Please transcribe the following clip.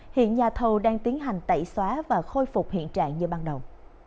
hiện nhà thầu đang tiến hành tẩy xóa và khôi phục hiện trạng như ban đầu